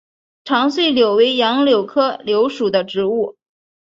长穗柳为杨柳科柳属的植物。